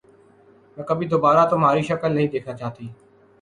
میں کبھی دوبارہ تمہاری شکل نہیں دیکھنا چاہتی۔